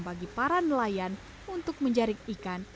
bagi para nelayan untuk menjaring ikan